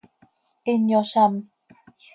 Hin yozám.